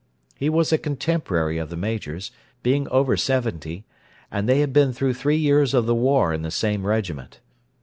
He was a contemporary of the Major's, being over seventy, and they had been through three years of the War in the same regiment.